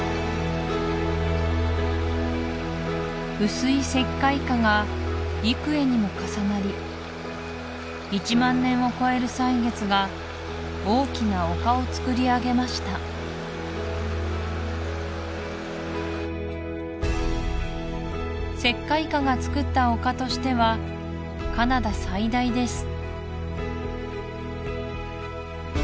薄い石灰華が幾重にも重なり１万年を超える歳月が大きな丘をつくり上げました石灰華がつくった丘としてはカナダ最大です